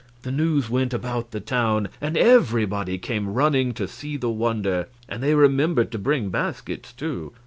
The news went about the town, and everybody came running to see the wonder and they remembered to bring baskets, too.